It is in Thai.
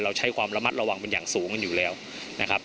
ใช้ความระมัดระวังเป็นอย่างสูงกันอยู่แล้วนะครับ